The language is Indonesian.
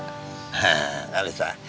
hah gak bisa